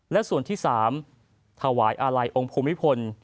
และส่วนที่๓ถวายอาลัยองค์ภูมิพล